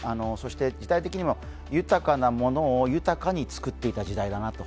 時代的には豊かなものを豊かに作っていた時代だなと。